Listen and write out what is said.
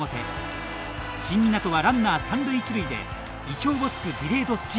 新湊はランナー三塁一塁で意表をつくディレードスチール。